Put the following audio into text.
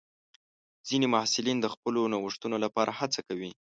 ځینې محصلین د خپلو نوښتونو لپاره هڅه کوي.